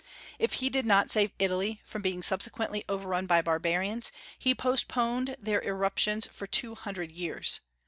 If he did not save Italy from being subsequently overrun by barbarians, he postponed their irruptions for two hundred years.